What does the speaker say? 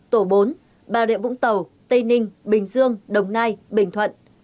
tổ bốn bà rịa vũng tàu tây ninh bình dương đồng nai bình thuận